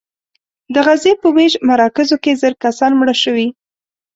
د غزې په ویش مراکزو کې زر کسان مړه شوي.